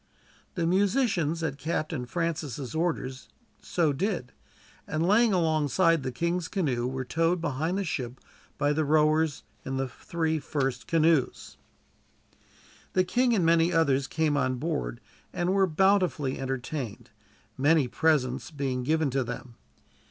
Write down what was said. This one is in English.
The musicians, at Captain Francis' orders, so did, and laying alongside the king's canoe, were towed behind the ship by the rowers in the three first canoes. The king and many others came on board, and were bountifully entertained, many presents being given to them.